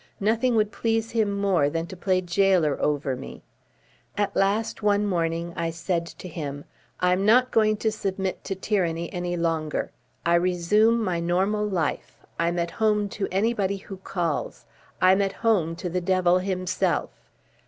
Nothing would please him more than to play gaoler over me. At last, one morning, I said to him: "I'm not going to submit to tyranny any longer. I resume my normal life. I'm at home to anybody who calls. I'm at home to the devil himself."